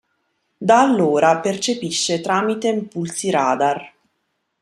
Da allora "percepisce" tramite impulsi radar.